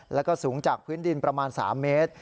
แล้วก็สูงจากพื้นดินประมาณ๓เมตร